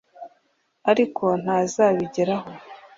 ariko ntazabigeraho